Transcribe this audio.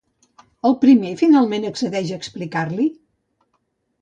El primer finalment accedeix a explicar-li?